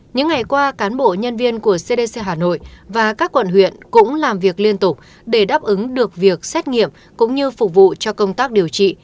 những ngày qua cán bộ nhân viên của cdc hà nội và các quận huyện cũng làm việc liên tục để đáp ứng được việc xét nghiệm cũng như phục vụ cho công tác điều trị